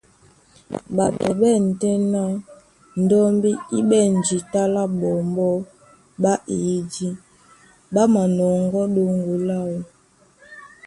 Ɓato ɓá ɛ̂n tɛ́ ná ndɔ́mbí í ɓɛ̂n jǐta lá ɓɔmbɔ́ ɓá eyìdí, ɓá manɔŋgɔ́ ɗoŋgo láō.